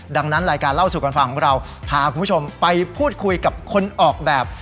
ดังนั้นรายการเล่าสู่กันฟังของเราพาคุณผู้ชมไปพูดคุยกับคนออกแบบ